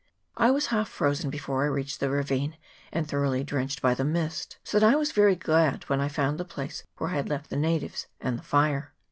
I was half frozen before I reached the ravine, and thoroughly drenched by the mist, so that I was very glad when I found the place where I had left the natives and the fire.